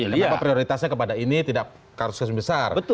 kenapa prioritasnya kepada ini tidak kasus kasus besar